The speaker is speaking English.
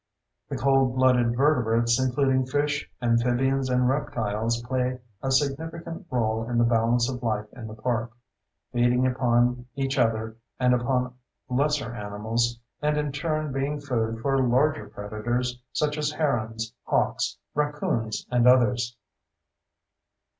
The cold blooded vertebrates, including fish, amphibians, and reptiles, play a significant role in the balance of life in the park, feeding upon each other and upon lesser animals and in turn being food for larger predators such as herons, hawks, raccoons, and otters.